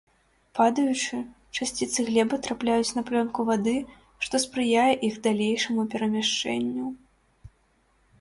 Падаючы, часціцы глебы трапляюць на плёнку вады, што спрыяе іх далейшаму перамяшчэнню.